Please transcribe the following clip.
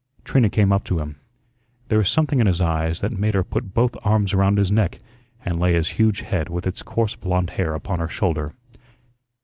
Trina came up to him. There was something in his eyes that made her put both arms around his neck and lay his huge head with its coarse blond hair upon her shoulder.